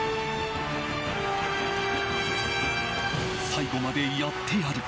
最後までやってやる。